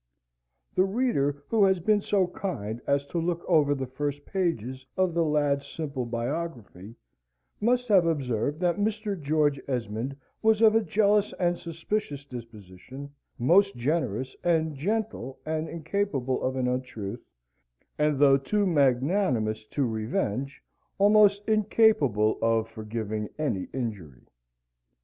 The reader who has been so kind as to look over the first pages of the lad's simple biography, must have observed that Mr. George Esmond was of a jealous and suspicious disposition, most generous and gentle and incapable of an untruth, and though too magnanimous to revenge, almost incapable of forgiving any injury.